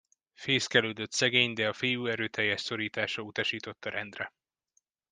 Fészkelődött szegény, de a fiú erőteljes szorítással utasította rendre.